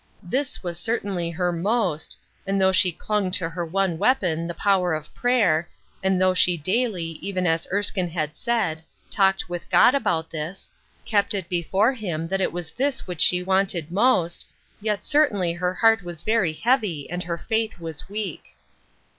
This was certainly her " most," and though she glung to her one weapon, the power of prayer. A WAITING WORKER. 2>°7 and though she daily, even as Erskine had said, " talked with God about this," kept it before Him that it was this which she wanted most, yet cer tainly her heart was very heavy and her faith was weak.